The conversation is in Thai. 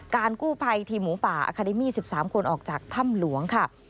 กู้ภัยทีมหมูป่าอาคาเดมี่๑๓คนออกจากถ้ำหลวงค่ะ